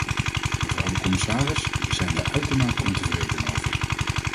Mevrouw de commissaris, we zijn daar uitermate ontevreden over.